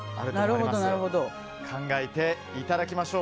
考えていただきましょう。